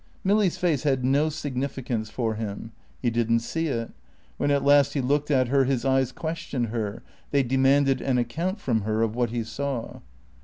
Milly's face had no significance for him. He didn't see it. When at last he looked at her his eyes questioned her, they demanded an account from her of what he saw.